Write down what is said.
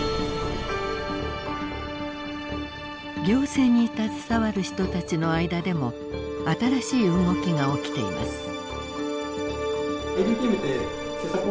行政に携わる人たちの間でも新しい動きが起きています。